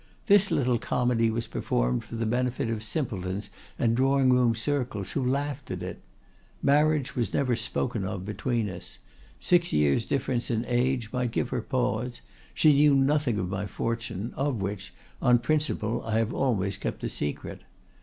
This little comedy was performed for the benefit of simpletons and drawing room circles, who laughed at it. Marriage was never spoken of between us; six years' difference of age might give her pause; she knew nothing of my fortune, of which, on principle, I have always kept the secret.